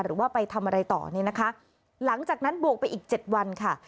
หรือว่าไปทำอะไรต่อหลังจากนั้นบวกไปอีก๗วันค่ะ